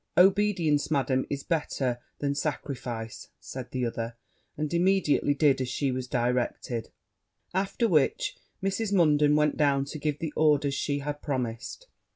'Obedience, Madam, is better than sacrifice,' said the other; and immediately did as she was directed: after which Mrs. Munden went down to give the orders she had promised.